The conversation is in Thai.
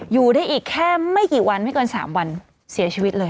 อยู่ได้อีกแค่ไม่กี่วันไม่เกิน๓วันเสียชีวิตเลย